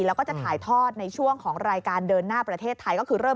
แล้วก็จะถ่ายทอดในช่วงของรายการเดินหน้าประเทศไทย